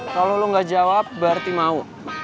kalau lo gak jawab berarti mau